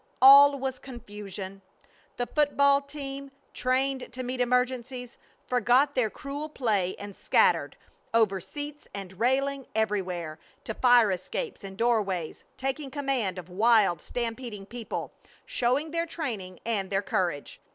All was confusion! The football team, trained to meet emergencies, forgot their cruel play and scattered, over seats and railing, everywhere, to fire escapes and doorways, taking command of wild, stampeding people, showing their training and their courage.